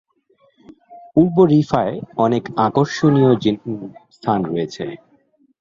পূর্ব রিফায় অনেক আকর্ষণীয় স্থান রয়েছে।